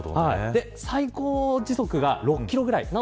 最高時速が６キロくらいです。